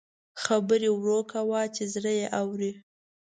خبرې ورو کوه چې زړه یې اوري